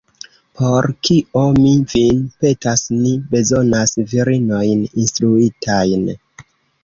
Por kio, mi vin petas, ni bezonas virinojn instruitajn?